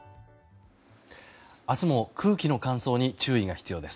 明日も空気の乾燥に注意が必要です。